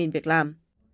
năm việc làm